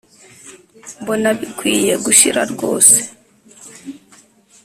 mbona bikwiye gushira rwose.